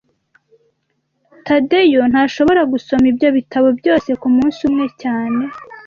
Tadeyo ntashobora gusoma ibyo bitabo byose kumunsi umwe cyane